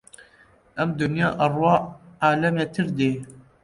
ئەم دونیا ئەڕوا عالەمێتر دێ